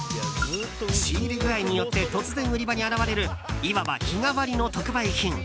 仕入具合によって突然、売り場に現れるいわば日替わりの特売品。